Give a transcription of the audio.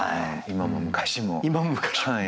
今も昔も。